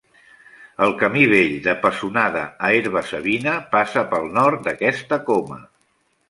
El camí vell de Pessonada a Herba-savina passa pel nord d'aquesta coma.